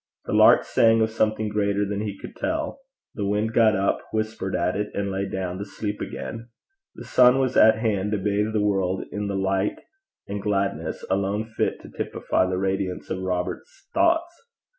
The lark sang of something greater than he could tell; the wind got up, whispered at it, and lay down to sleep again; the sun was at hand to bathe the world in the light and gladness alone fit to typify the radiance of Robert's thoughts.